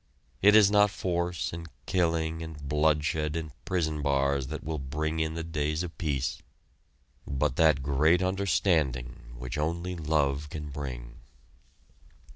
It is not force and killing and bloodshed and prison bars that will bring in the days of peace, but that Great Understanding which only Love can bring.